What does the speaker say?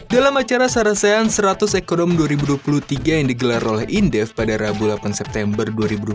dalam acara sarasean seratus ekodom dua ribu dua puluh tiga yang digelar oleh indef pada rabu delapan september dua ribu dua puluh